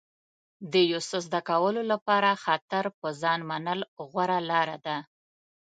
د یو څه زده کولو لپاره خطر په ځان منل غوره لاره ده.